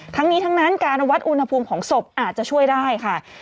ทั้งนี้ทั้งนั้นการวัดอุณหภูมิของศพอาจจะช่วยได้ค่ะ